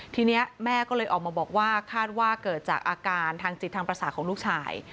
ทีนี้แม่ก็เลยออกมาบอกว่าคาดว่าเกิดจากอาการทางจิตทางประสาทของลูกชาย